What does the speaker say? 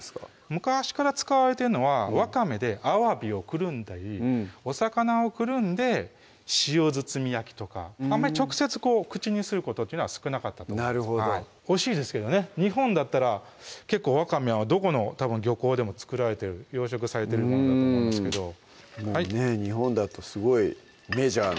昔から使われてるのはわかめであわびを包んだりお魚を包んで塩包み焼きとかあんまり直接口にすることは少なかったと思いますなるほどおいしいですけどね日本だったら結構わかめはどこの漁港でも作られてる養殖されてるものだと思いますけどもうね日本だとすごいメジャーなね